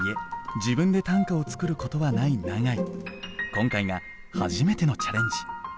今回が初めてのチャレンジ。